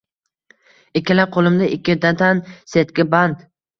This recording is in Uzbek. ikkala qo’limda ikkitadan setka, band.